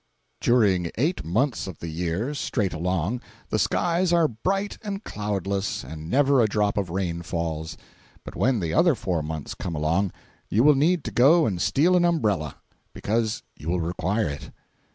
410.jpg (53K) During eight months of the year, straight along, the skies are bright and cloudless, and never a drop of rain falls. But when the other four months come along, you will need to go and steal an umbrella. Because you will require it.